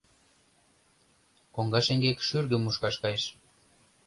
Коҥга шеҥгек шӱргым мушкаш кайыш.